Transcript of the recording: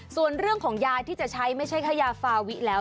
ส่วนเรื่องของยาที่จะใช้ไม่ใช่แค่ยาฟาวิแล้ว